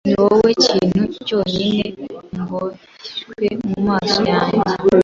Niwowe kintu cyonyine mboshywe mumaso yange